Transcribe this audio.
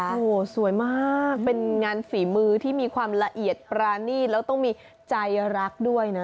โอ้โหสวยมากเป็นงานฝีมือที่มีความละเอียดปรานีตแล้วต้องมีใจรักด้วยนะ